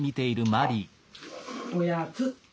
おやつ！